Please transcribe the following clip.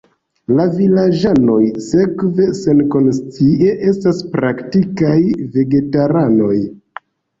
La vilaĝanoj sekve senkonscie estas praktikaj vegetaranoj.